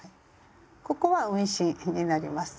ここは運針になります。